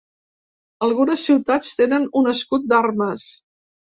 Algunes ciutats tenen un escut d'armes.